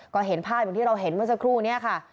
ก็เห็นภาพเหมือนที่เราเห็นเมื่อสักครู่นี้ค่ะ